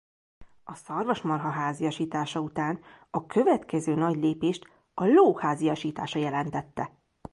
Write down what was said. A szarvasmarha háziasítása után a következő nagy lépést a ló háziasítása jelentette.